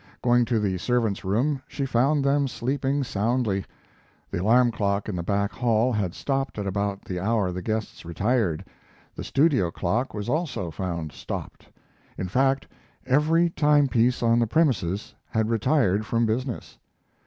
Going to the servants' room, she found them sleeping soundly. The alarm clock in the back hall had stopped at about the hour the guests retired. The studio clock was also found stopped; in fact, every timepiece on the premises had retired from business.